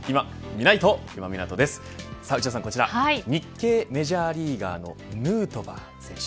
内田さん、こちら日系メジャーリーガーのヌートバー選手。